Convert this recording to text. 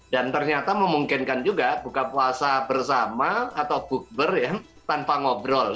dan ternyata memungkinkan juga buka puasa bersama atau bukber tanpa ngobrol